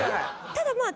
ただまあ